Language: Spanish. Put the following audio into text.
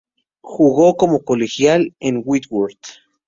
Jugo como colegial en Whitworth.